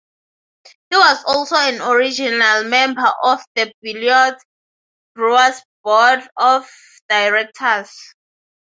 He was also an original member of the Beloit Brewers board of directors.